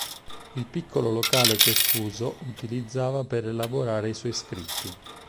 Il piccolo locale che Fuso utilizzava per elaborare i suoi scritti.